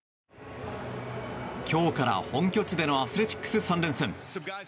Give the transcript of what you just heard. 今日から本拠地でのアスレチックス３連戦。